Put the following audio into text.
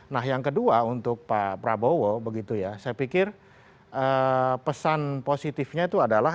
nah yang kedua untuk pak prabowo begitu ya saya pikir pesan positifnya itu adalah